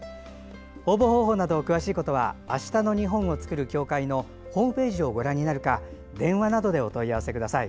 応募方法など詳しいことはあしたの日本を創る協会のホームページをご覧になるか電話などでお問い合わせください。